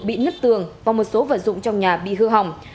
bị nứt tường và một số vật dụng trong nhà bị hư hỏng